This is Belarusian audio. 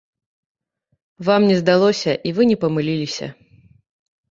Вам не здалося і вы не памыліліся.